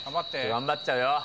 頑張っちゃうよ。